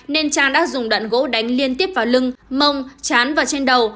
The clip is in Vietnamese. nên trang đã dùng đạn gỗ đánh liên tiếp vào lưng mông chán và trên đầu